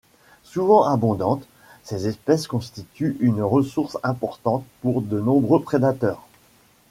Souvent abondantes, ces espèces constituent une ressource importante pour de nombreux prédateurs.